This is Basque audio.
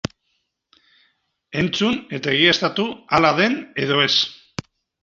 Entzun eta egiaztatu hala den edo ez!